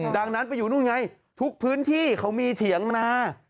ดังนั้นไปอยู่นู่นไงทุกพื้นที่เขามีเถียงนา